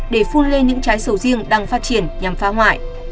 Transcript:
để phun lên những trái sầu riêng đang phát triển nhằm phá hoại